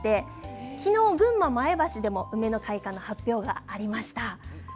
昨日、群馬の前橋でも開花の発表がありました。